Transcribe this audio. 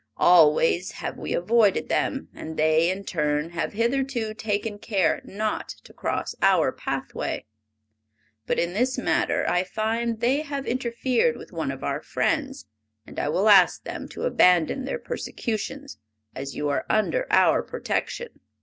Always have we avoided them, and they, in turn, have hitherto taken care not to cross our pathway. But in this matter I find they have interfered with one of our friends, and I will ask them to abandon their persecutions, as you are under our protection."